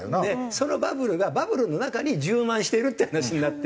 そのバブルがバブルの中に充満しているっていう話になって。